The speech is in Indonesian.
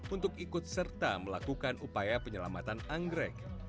untuk ikut serta melakukan upaya penyelamatan anggrek